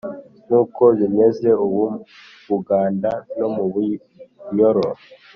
nkuko bimeze ubu mu buganda no mu bunyoro,